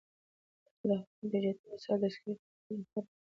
تاسو د خپلو ډیجیټل وسایلو د سکرین د پاکولو لپاره نرمه ټوټه وکاروئ.